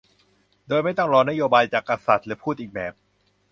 โดยไม่ต้องรอนโยบายจากกษัตริย์ หรือพูดอีกแบบ